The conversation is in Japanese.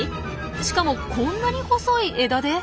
しかもこんなに細い枝で？